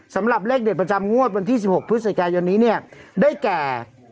สำหรับเลขเด็ดประจำงวดวันที่๑๖พฤศจิกายนี้ได้แก่๗๔๗๙๑๕๑๙๒๑